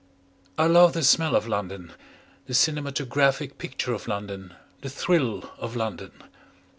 I love the smell of London, the cinematographic picture of London, the thrill of London.